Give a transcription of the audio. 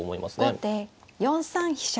後手４三飛車。